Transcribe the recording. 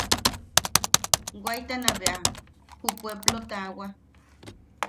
Waitana bea ju puepplo taawa.